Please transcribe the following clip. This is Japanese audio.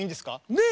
ねえ！